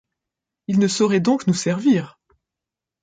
Il ne saurait donc nous servir.